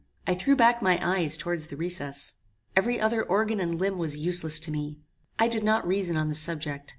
I threw back my eyes towards the recess. Every other organ and limb was useless to me. I did not reason on the subject.